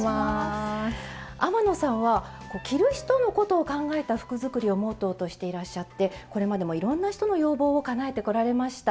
天野さんは「着る人のことを考えた服」作りをモットーとしていらっしゃってこれまでもいろんな人の要望をかなえてこられました。